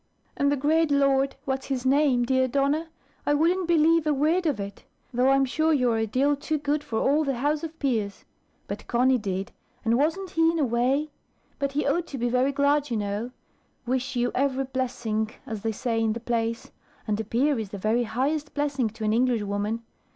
"And the great Lord what's his name, dear Donna? I wouldn't believe a word of it; though I'm sure you are a deal too good for all the house of peers. But Conny did; and wasn't he in a way? But he ought to be very glad you know wish you every blessing, as they say in the plays; and a peer is the very highest blessing to an Englishwoman.